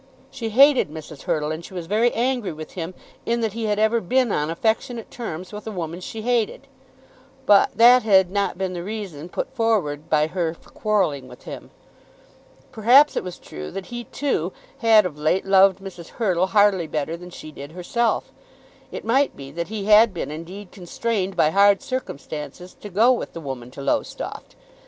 She hated Mrs. Hurtle, and she was very angry with him in that he had ever been on affectionate terms with a woman she hated; but that had not been the reason put forward by her for quarrelling with him. Perhaps it was true that he, too, had of late loved Mrs. Hurtle hardly better than she did herself. It might be that he had been indeed constrained by hard circumstances to go with the woman to Lowestoft.